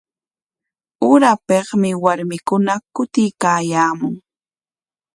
Urapikmi warmikuna kutiykaayaamun.